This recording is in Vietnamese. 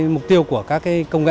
mục tiêu của các công nghệ